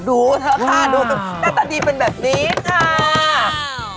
ดูเถอะค่ะดูหน้าตาดีเป็นแบบนี้จ้า